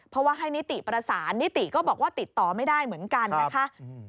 เพราะว่าให้นิติประสานนิติก็บอกว่าติดต่อไม่ได้เหมือนกันนะคะ